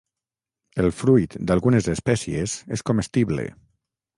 El fruit d'algunes espècies és comestible.